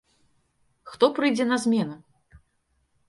Хто прыйдзе на змену?